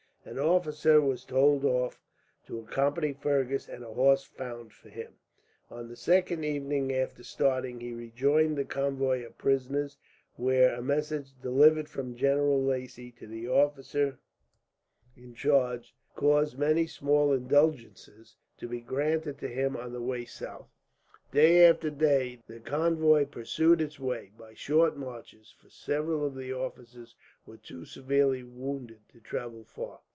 An officer was told off to accompany Fergus, and a horse was found for him. On the second evening after starting he rejoined the convoy of prisoners; where a message, delivered from General Lacy to the officer in charge, caused many small indulgences to be granted to him on the way south. Day after day the convoy pursued its way, by short marches, for several of the officers were too severely wounded to travel far.